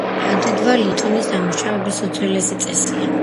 ადიდვა ლითონის დამუშავების უძველესი წესია.